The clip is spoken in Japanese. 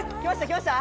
きました？